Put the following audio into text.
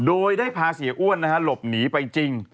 โดยได้พาเสียอ้วนหลบหนีไปจริง